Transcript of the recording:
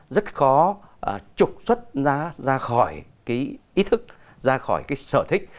rất khó trục xuất ra khỏi cái ý thức ra khỏi cái sở thích